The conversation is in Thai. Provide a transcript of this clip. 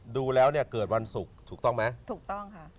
ดูแล้วเนี่ยเกิดวันศุกร์ถูกต้องไหมถูกต้องค่ะ